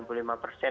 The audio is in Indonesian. untuk dibilang akurat